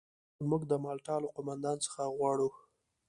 موږ د مالټا له قوماندان څخه غواړو.